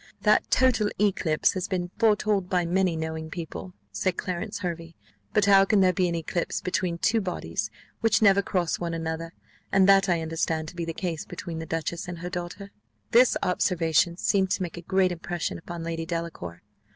"That total eclipse has been foretold by many knowing people," said Clarence Hervey; "but how can there be an eclipse between two bodies which never cross one another and that I understand to be the case between the duchess and her daughter." This observation seemed to make a great impression upon Lady Delacour.